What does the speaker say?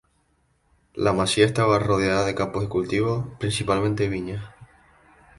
La masía estaba rodeada de campos de cultivo, principalmente viñas.